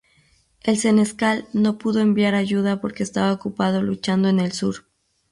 El Senescal no pudo enviar ayuda porque estaba ocupado luchando en el Sur.